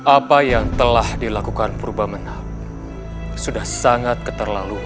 apa yang telah dilakukan purba menang sudah sangat keterlaluan